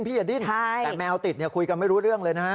ใช่แต่แมวติดคุยกันไม่รู้เรื่องเลยนะ